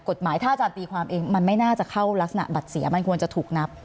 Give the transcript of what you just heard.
กฎหมายถ้าอาจารย์ตีความเองมันไม่น่าจะเข้ารักษณะบัตรเสียมันควรจะถูกนับ